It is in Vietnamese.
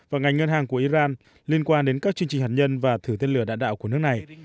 và ngành ngân hàng của iran liên quan đến các chương trình hạt nhân và thử tên lửa đạn đạo của nước này